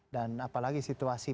dan apalagi situasi